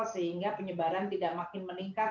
sehingga penyebaran tidak makin meningkat